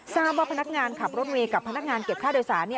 ทราบว่าพนักงานขับรถเมย์กับพนักงานเก็บค่าโดยสาร